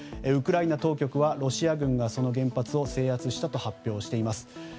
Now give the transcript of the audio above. ウクライナ当局はロシア軍が、その原発を制圧したと発表しています。